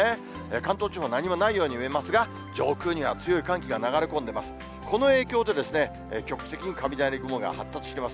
関東地方、何もないように見えますが、上空には強い寒気が流れ込んでます。